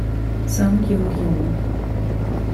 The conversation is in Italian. Song Jung-hyun